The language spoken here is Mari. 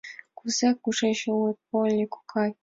— Кузе кушеч улыт, Полли кокай?